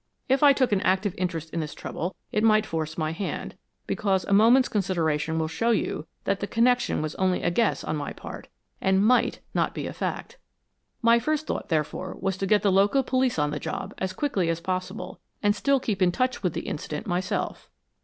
If I took an active interest in this trouble it might force my hand, because a moment's consideration will show you that the connection was only a guess on my part, and MIGHT not be a fact. My first thought, therefore, was to get the local police on the job as quickly as possible and still keep in touch with the incident myself."